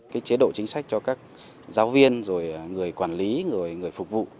chế độ chính sách cho các giáo viên người quản lý người phục vụ